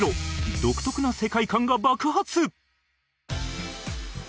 独特な世界観が爆発！